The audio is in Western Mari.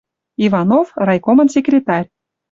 Иванов — райкомын секретарь.